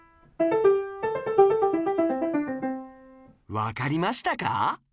わかりましたか？